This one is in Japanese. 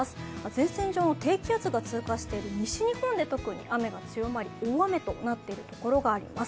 前線上の低気圧が通過している西日本で特に雨が強まり大雨となっているところがあります。